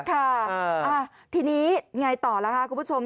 ค่ะทีนี้ไงต่อล่ะค่ะคุณผู้ชม